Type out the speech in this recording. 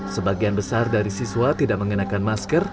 sebagian besar dari siswa tidak mengenakan masker